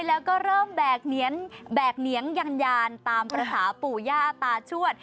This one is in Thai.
แล้วก็เริ่มแบกเนี้ยนแบกเนี้ยงยางยานตามภรรษาปู่ย่าตาชวด